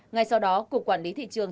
ngay sau đó cục quản lý thị trường